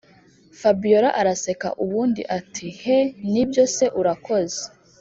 fabiora araseka ubundi ati”he nibyo se urakoze”